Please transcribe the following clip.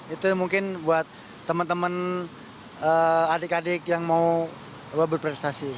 itu mungkin buat teman teman adik adik yang mau berprestasi